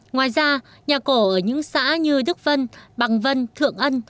ngoài ra nhà cổ ở những xã như đức vân bằng vân thượng ân